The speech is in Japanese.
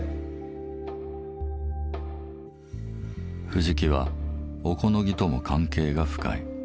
藤木は小此木とも関係が深い。